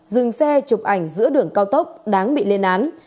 dừng xe chụp ảnh giữa đường cao tốc đáng bị lên án